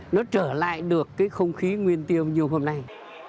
nó trở lại được cái không khí nguyên tiêu nhiều hôm nay